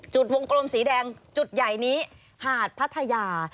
วงกลมสีแดงจุดใหญ่นี้หาดพัทยา